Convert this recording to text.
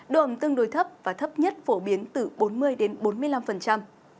động tương đối thấp và thấp nhất phổ biến từ bốn mươi ba mươi năm độ